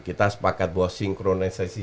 kita sepakat bahwa sinkronisasi